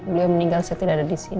beliau meninggal saya tidak ada di sini